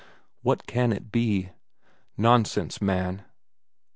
what can it be? Nonsense, man!